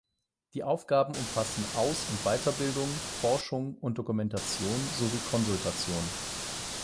Die Aufgaben umfassen Aus- und Weiterbildung, Forschung und Dokumentation sowie Konsultation.